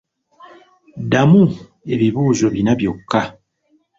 Ddamu ebibuuzo bina byokka.